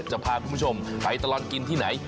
จะพาคุณผู้ชมไปตลอดกินที่ไหน